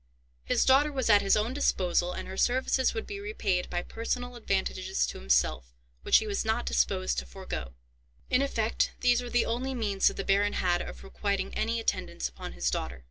His daughter was at his own disposal, and her services would be repaid by personal advantages to himself which he was not disposed to forego; in effect these were the only means that the baron had of requiting any attendance upon his daughter.